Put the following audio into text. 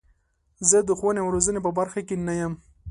زه د ښوونې او روزنې په برخه کې نه یم.